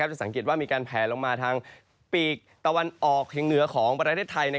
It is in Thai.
จะสังเกตว่ามีการแผลลงมาทางปีกตะวันออกเชียงเหนือของประเทศไทย